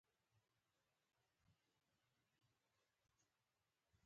احمد له پوليسو څخه تور خوري.